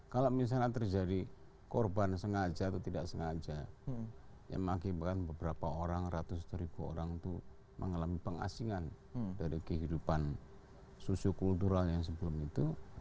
kalau misalnya terjadi korban sengaja atau tidak sengaja yang mengakibatkan beberapa orang ratus ribu orang itu mengalami pengasingan dari kehidupan sosio kultural yang sebelum itu